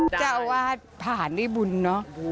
จังหวาดผ่านได้บุญเนอะ